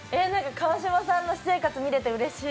川島さんの私生活見れてうれしい。